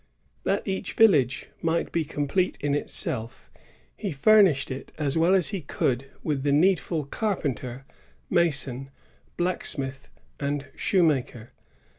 That each village might be complete in itself, he furnished it as well as he could with the needful carpenter, mason, blacksmith, and shoe maker.